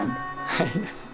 はい。